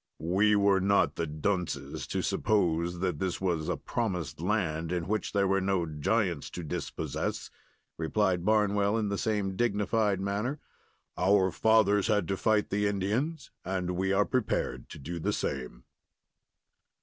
"We were not the dunces to suppose that this was a promised land, in which there were no giants to dispossess," replied Barnwell, in the same dignified manner. "Our fathers had to fight the Indians, and we are prepared to do the same."